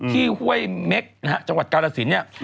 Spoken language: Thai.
ห้วยเม็กนะฮะจังหวัดกาลสินเนี่ย